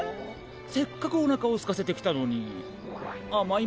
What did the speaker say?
せっかくおなかをすかせてきたのにあまいものは？